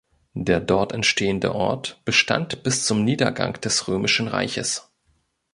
Der dort entstehende Ort bestand bis zum Niedergang des römischen Reiches.